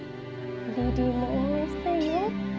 リリイも応援したいの？